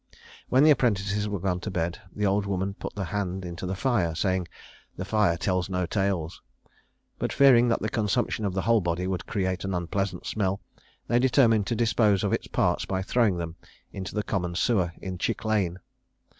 When the apprentices were gone to bed, the old woman put the hand into the fire, saying, "The fire tells no tales;" but fearing that the consumption of the whole body would create an unpleasant smell, they determined to dispose of its parts by throwing them into the common sewer in Chick lane.